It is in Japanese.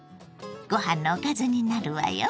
ご飯のおかずになるわよ。